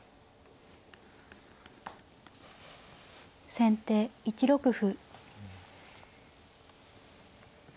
先手１六歩。